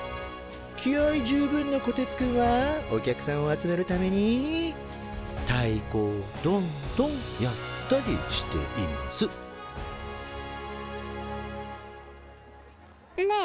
気合い十分のこてつくんはお客さんを集めるためにたいこをドンドンやったりしていますねえ